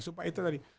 supaya itu tadi